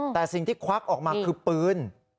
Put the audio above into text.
แต่สิ่งที่ควักออกมาคือปืน